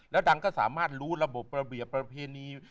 แล้วดังก็สามารถรู้ระบบระเบียบประเพณี